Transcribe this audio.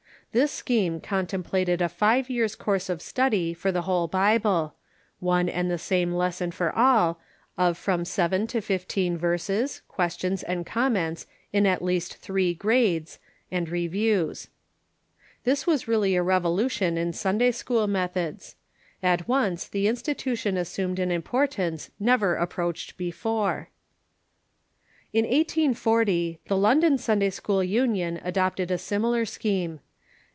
This scheme contemplated a five years' course of study for the whole Bible — one and the same lesson for all, of from seven to fifteen verses, questions and comments in at least three grades, and reviews." This was really a revolution in Sunday school methods. At once the institution assumed an importance never approached before. In 1840 the London Sunday school LTnion adopted a similar scheme.